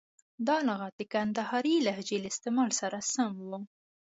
دا لغت د کندهارۍ لهجې له استعمال سره سم و.